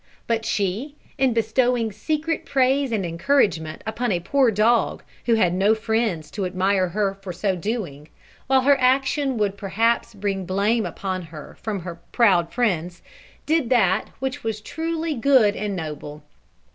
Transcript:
But she, in bestowing secret praise and encouragement upon a poor dog who had no friends to admire her for so doing, while her action would perhaps bring blame upon her from her proud friends, did that which was truly good and noble.